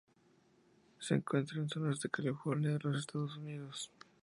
Se encuentra en zonas de California en los Estados Unidos.